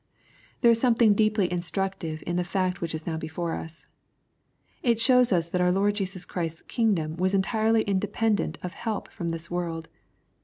There is something deeply instructive in the fact which is now before us. It shows us that our Lord Jesus Christ's kingdom was entirely independent of help from this world.